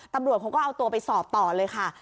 ตำรวจเขาก็เอาตัวไปสอบต่อเลยค่ะ